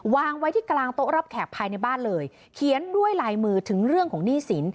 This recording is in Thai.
วางไว้ที่กลางโต๊ะรับแขกภายในบ้านเลยเขียนด้วยลายมือถึงเรื่องของหนี้สิน